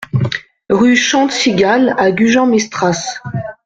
Rue Chante Cigale à Gujan-Mestras